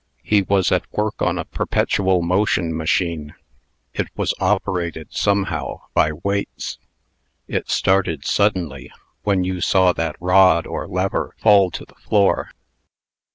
He was at work on a perpetual motion machine! It was operated, somehow, by weights! It started suddenly, when you saw that rod, or lever, fall to the floor!